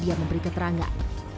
dia memberi keterangan